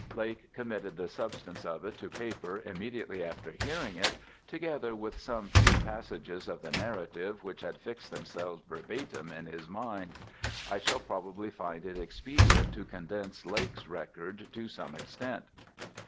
Lake committed the substance of it to paper immediately after hearing it, together with some few passages of the narrative which had fixed themselves verbatim in his mind; I shall probably find it expedient to condense Lake's record to some extent.